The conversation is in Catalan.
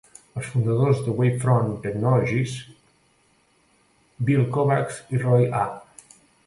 Els fundadors de Wavefront Technologies, Bill Kovacs i Roy A.